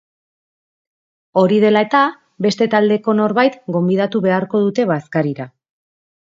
Hori dela eta, beste talde bateko norbait gonbidatu beharko dute bazkarira.